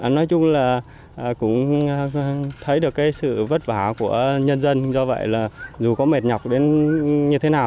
nói chung là cũng thấy được cái sự vất vả của nhân dân do vậy là dù có mệt nhọc đến như thế nào